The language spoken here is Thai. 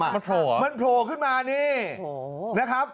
มันโผล่ขึ้นมานี่นะครับ